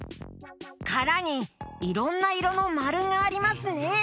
からにいろんないろのまるがありますね！